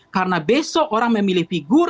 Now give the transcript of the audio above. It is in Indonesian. karena besok orang memilih figur